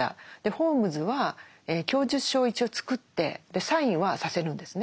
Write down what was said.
ホームズは供述書を一応作ってサインはさせるんですね。